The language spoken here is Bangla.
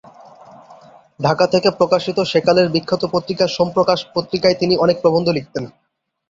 ঢাকা থেকে প্রকাশিত সেকালের বিখ্যাত পত্রিকা ‘সোম প্রকাশ’ পত্রিকায় তিনি অনেক প্রবন্ধ লিখতেন।